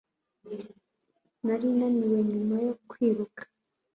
Nari naniwe nyuma yo kwiruka